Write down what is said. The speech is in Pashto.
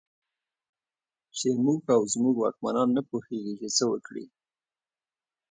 چې موږ او زموږ واکمنان نه پوهېږي چې څه وکړي.